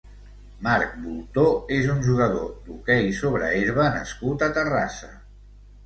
Marc Boltó és un jugador d'hoquei sobre herba nascut a Terrassa.